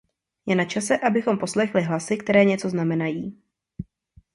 Je načase, abychom poslechli hlasy, které něco znamenají.